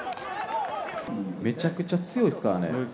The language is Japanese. めちゃくちゃ強いですからね。